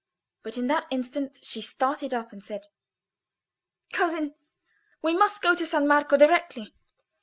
But in that instant she started up and said— "Cousin, we must go to San Marco directly.